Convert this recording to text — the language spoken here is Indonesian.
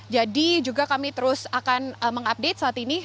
jadi juga kami terus akan mengupdate saat ini